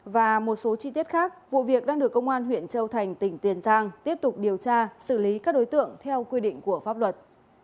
và một số chi tiết khác vụ việc đang được công an huyện châu thành tỉnh tiền giang tiếp tục điều tra xử lý các đối tượng theo quy định của pháp luật